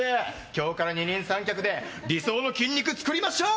今日から二人三脚で理想の筋肉作りましょう！